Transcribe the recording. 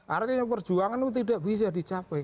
artinya perjuangan itu tidak bisa dicapai